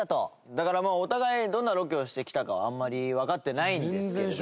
だからお互いどんなロケをしてきたかはあんまりわかってないんですけれど。